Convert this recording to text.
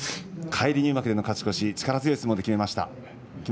返り入幕での勝ち越し力強い相撲で決めました。